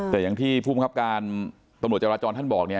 แต่อย่างที่ภูมิครับการตำรวจจราจรท่านบอกเนี่ย